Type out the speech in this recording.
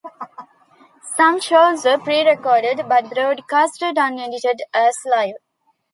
Some shows were pre-recorded, but broadcast unedited, 'as live'.